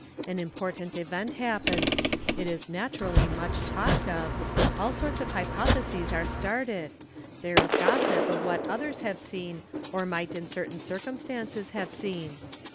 An im portant event happens; it is naturally much talked of, all sorts o hypotheses are started, there is gossip of what others have seen or migh in certain circumstances have seen.